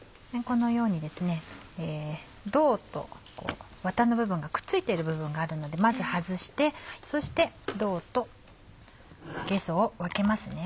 このように胴とワタの部分がくっついてる部分があるのでまず外してそして胴とゲソを分けますね。